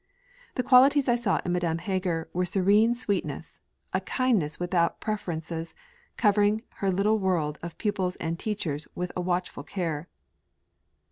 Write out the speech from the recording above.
The qualities I saw in Madame Heger were serene sweetness, a kindness without preferences, covering her little world of pupils and teachers with a watchful care.